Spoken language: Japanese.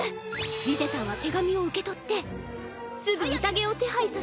リゼたんは手紙を受け取ってすぐ宴を手配させ